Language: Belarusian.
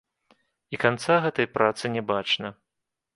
І канца гэтай працы не бачна.